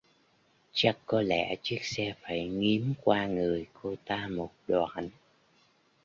Chắc có lẽ chiếc xe phải nghiếm qua người cô ta một đoạn